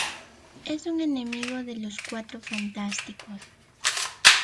Es un enemigo de los Cuatro Fantásticos.